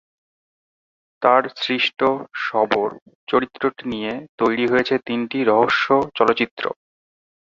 তার সৃষ্ট শবর চরিত্রটি নিয়ে তৈরি হয়েছে তিনটি রহস্য চলচ্চিত্র।